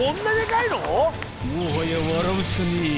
［もはや笑うしかねえやな］